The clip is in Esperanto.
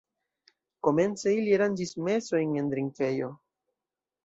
Komence ili aranĝis mesojn en drinkejo.